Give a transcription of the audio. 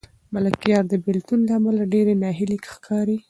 ملکیار د بېلتون له امله ډېر ناهیلی ښکاري.